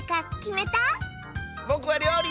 ぼくはりょうり！